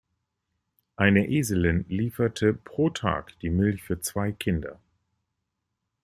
Eine Eselin lieferte pro Tag die Milch für zwei Kinder.